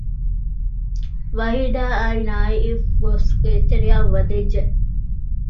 ވަހީދާ އާއި ނާއިފް ގޮސް ގޭތެރެއަށް ވަދެއްޖެ